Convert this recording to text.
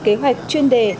kế hoạch chuyên đề